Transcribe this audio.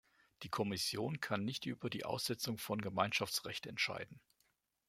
Die Kommission kann nicht über die Aussetzung von Gemeinschaftsrecht entscheiden.